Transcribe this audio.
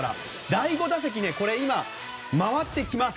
第５打席が今、回ってきます。